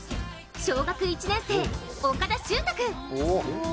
小学１年生、岡田秀太君。